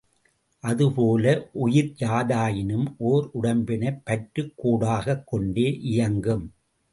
அதுபோல உயிர் யாதானும் ஓர் உடம்பினைப் பற்றுக் கோடாகக் கொண்டே இயங்கும்.